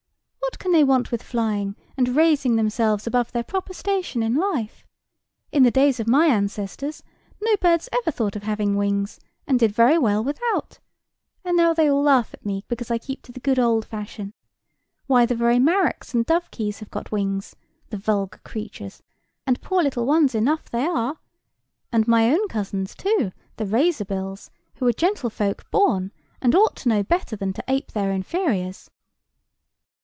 What can they want with flying, and raising themselves above their proper station in life? In the days of my ancestors no birds ever thought of having wings, and did very well without; and now they all laugh at me because I keep to the good old fashion. Why, the very marrocks and dovekies have got wings, the vulgar creatures, and poor little ones enough they are; and my own cousins too, the razor bills, who are gentlefolk born, and ought to know better than to ape their inferiors."